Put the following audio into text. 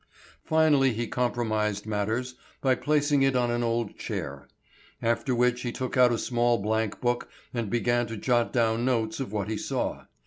Finally he compromised matters by placing it on an old chair; after which he took out a small blank book and began to jot down notes of what he saw.